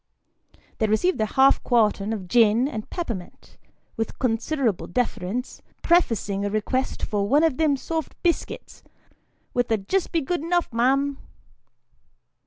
They receive their half quartern of gin and peppermint, with considerable deference, prefacing a request for " one of them soft biscuits," with a " Jist be good enough, ma'am."